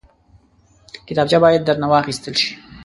کتابچه باید درنه واخیستل شي